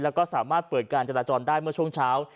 แล้วก็สามารถเปิดการจราจรได้เมื่อช่วงเช้า